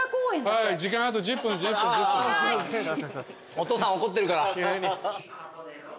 お父さん怒ってるから。